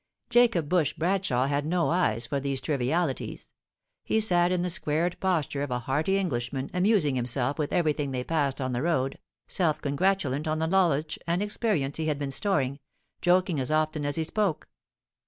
Jacob Bush Bradshaw had no eyes for these trivialities. He sat in the squared posture of a hearty Englishman, amusing himself with everything they passed on the road self congratulant on the knowledge and experience he had been storing, joking as often as he spoke.